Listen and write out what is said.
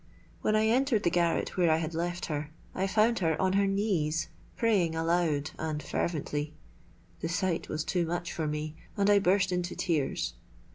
When I entered the garret where I had left her, I found her on her knees praying aloud and fervently. The sight was too much for me; and I burst into tears.